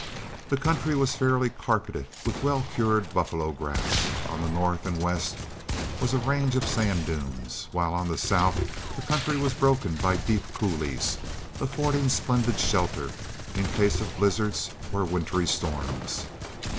The country was fairly carpeted with well cured buffalo grass; on the north and west was a range of sand dunes, while on the south the country was broken by deep coulees, affording splendid shelter in case of blizzards or wintry storms.